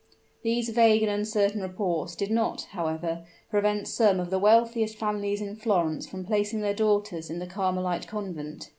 These vague and uncertain reports did not, however, prevent some of the wealthiest families in Florence from placing their daughters in the Carmelite Convent.